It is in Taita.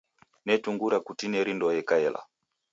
Netungura kutineri ndoe ikaela.